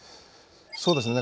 そうですね